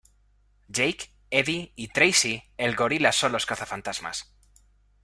Jake, Eddie y Tracey el Gorila son los cazafantasmas.